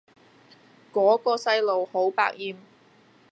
嗰個細路好百厭